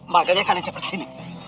makanya kalian cepat ke sini